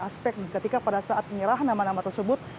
aspek ketika pada saat menyerah nama nama tersebut